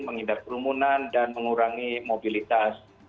mengindah perumunan dan mengurangi mobilitas